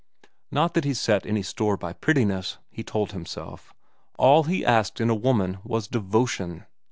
Not that he set any store by prettiness, he told himself ; all he asked in a woman was devotion.